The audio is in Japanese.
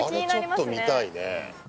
あれちょっと見たいね